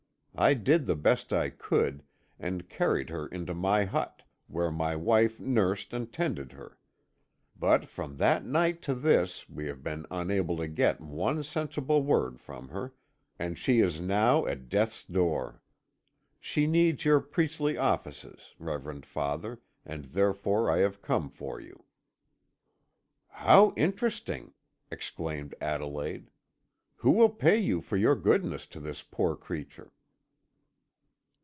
I did the best I could, and carried her into my hut, where my wife nursed and tended her. But from that night to this we have been unable to get one sensible word from her, and she is now at death's door. She needs your priestly offices, reverend father, and therefore I have come for you." "How interesting!" exclaimed Adelaide. "Who will pay you for your goodness to this poor creature?"